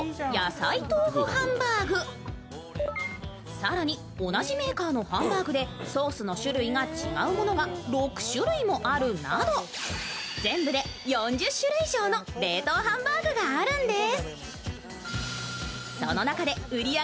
更に、同じメーカーのハンバーグでソースの種類が違うものが６種類もあるなど全部で４０種類以上の冷凍ハンバーグがあるんです。